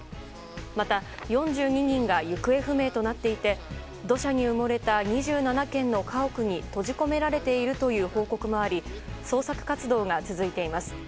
また４２人が行方不明となっていて土砂に埋もれた２７軒の家屋に閉じ込められているという報告もあり捜索活動が続いています。